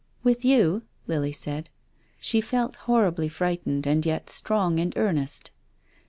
" With you ?" Lily said. She felt horribly frightened and yet strong and earnest.